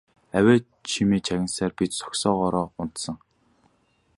Авиа чимээ чагнасаар би зогсоогоороо унтсан.